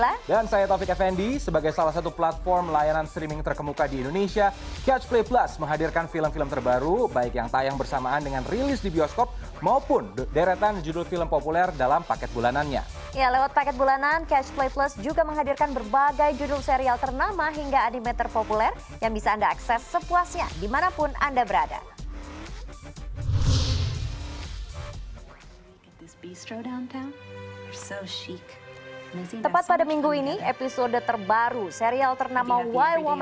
halo selamat datang kembali di catch play plus movie lovers preview